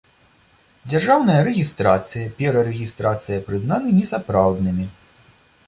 Дзяржаўная рэгiстрацыя, перарэгiстрацыя прызнаны несапраўднымi.